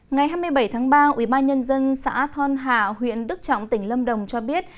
ngày hai mươi bảy tháng ba ubnd xã thon hạ huyện đức trọng tỉnh lâm đồng cho biết